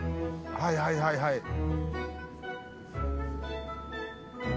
はいはいはいはい。